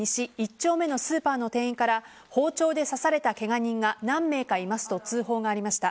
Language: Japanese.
丁目のスーパーの店員から包丁で刺されたケガ人が何名かいますと通報がありました。